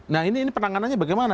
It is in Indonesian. nah ini penanganannya bagaimana